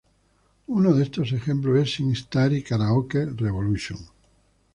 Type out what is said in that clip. Uno de estos ejemplos es "Singstar" y "Karaoke revolution".